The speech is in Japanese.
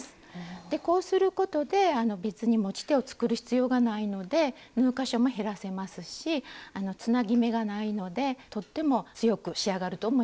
こうすることで別に持ち手を作る必要がないので縫う箇所も減らせますしつなぎ目がないのでとっても強く仕上がると思います。